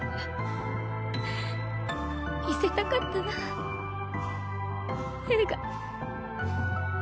見せたかったな映画。